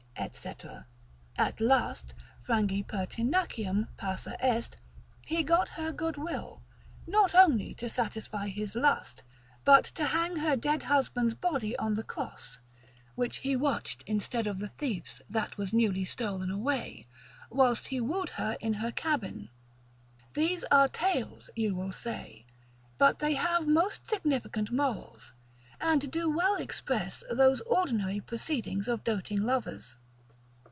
&c. at last, frangi pertinaciam passa est, he got her good will, not only to satisfy his lust, but to hang her dead husband's body on the cross (which he watched instead of the thief's that was newly stolen away), whilst he wooed her in her cabin. These are tales, you will say, but they have most significant morals, and do well express those ordinary proceedings of doting lovers.